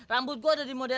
rambut gue udah dimodelin